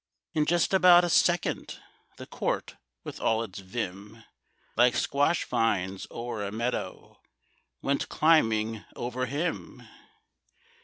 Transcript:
In just about a second, The Court, with all its vim, Like squash vines o'er a meadow, Went climbing over him.